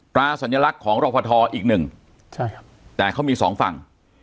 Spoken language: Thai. ปราสัญลักษณ์ของรภทออีกหนึ่งแต่เขามี๒ฝั่ง